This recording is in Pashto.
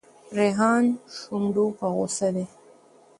ریحان شونډو په غوسه دی.